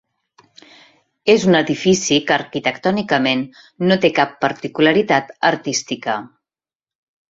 És un edifici que arquitectònicament no té cap particularitat artística.